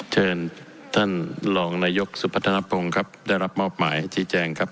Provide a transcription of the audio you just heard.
เชิญท่านรองนายกสุพัฒนภงครับได้รับมอบหมายชี้แจงครับ